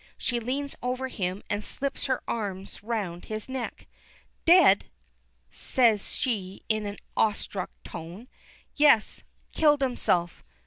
She leans over him and slips her arms round his neck. "Dead!" says she in an awestruck tone. "Yes. Killed himself!